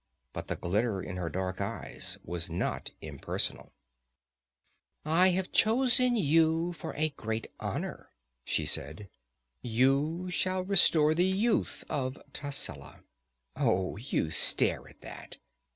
But the glitter in her dark eyes was not impersonal. "I have chosen you for a great honor," she said. "You shall restore the youth of Tascela. Oh, you stare at that!